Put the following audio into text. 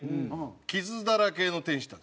『傷だらけの天使たち』。